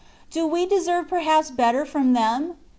Do we deserve perhaps better from them?